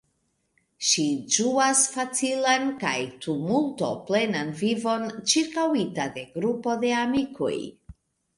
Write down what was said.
Ŝi ĝuas facilan kaj tumulto-plenan vivon, ĉirkaŭita de grupo de amikoj.